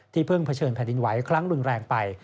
เพิ่งเผชิญแผ่นดินไหวครั้งรุนแรงไป